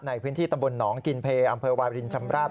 ในพื้นที่ตำบลหนองกินเพย์อำเภอวารินชำราบ